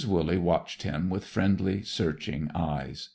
Wooley watched him with friendly, searching eyes.